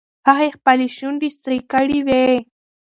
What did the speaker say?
هغې خپلې شونډې سرې کړې وې.